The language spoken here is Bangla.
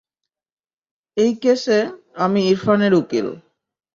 এই কেসে, আমি ইরফানের উকিল!